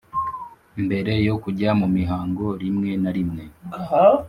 mbere yo kujya mumihango rimwe na rimwe